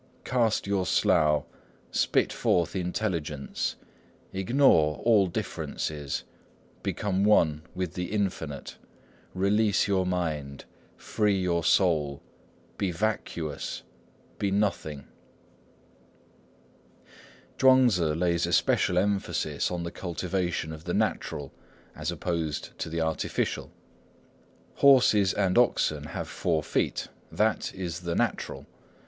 Cast your slough. Spit forth intelligence. Ignore all differences. Become one with the Infinite. Release your mind. Free your soul. Be vacuous. Be nothing!" Chuang Tzŭ lays especial emphasis on the cultivation of the natural as opposed to the artificial. "Horses and oxen have four feet; that is the natural.